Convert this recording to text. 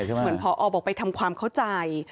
เหมือนพอบอกไปทำความเข้าใจ